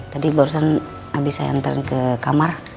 tadi barusan abis saya hantar ke kamar